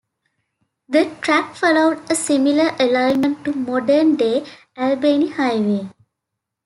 The track followed a similar alignment to modern-day Albany Highway.